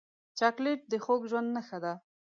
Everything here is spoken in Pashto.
چاکلېټ د خوږ ژوند نښه ده.